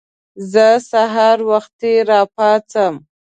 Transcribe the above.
زه سهار وختي راپاڅم.